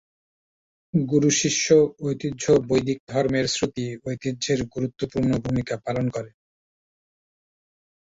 গুরু-শিষ্য ঐতিহ্য বৈদিক ধর্মের শ্রুতি ঐতিহ্যের গুরুত্বপূর্ণ ভূমিকা পালন করে।